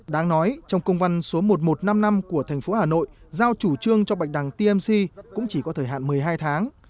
đáng nói trong công văn số một nghìn một trăm năm mươi năm của thành phố hà nội giao chủ trương cho bạch đằng tmc cũng chỉ có thời hạn một mươi hai tháng